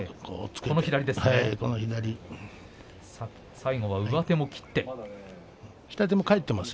最後は上手も切っていました。